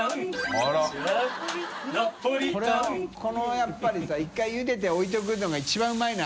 やっぱりさ１回ゆでて置いておくのが一番うまいな。